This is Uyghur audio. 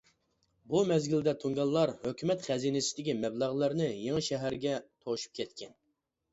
بۇ مەزگىلدە تۇڭگانلار ھۆكۈمەت خەزىنىسىدىكى مەبلەغلەرنى يېڭىشەھەرگە توشۇپ كەتكەن.